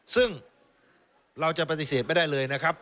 ซึ่งเราจะปฏิเสธไม่ได้เลยนะครับ